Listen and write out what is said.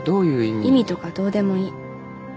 意味とかどうでもいい。